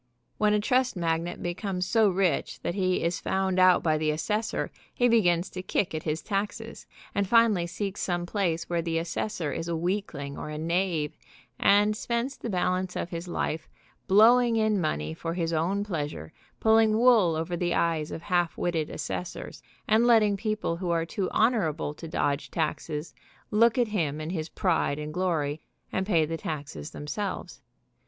When a trust magnate becomes so rich that he is found out by the assessor he begins to kick at his taxes, and finally seeks some place where the assessor is a weakling or a knave, and spends the balance of his life blowing in money for his own pleasure, pulling wool over the eyes of half witted assessors and letting people who are too honorable to dodge taxes look at him in his pride Grief among the drummers. WHEN DAD WAS SCARED 27 and glory, and pay the taxes themselves.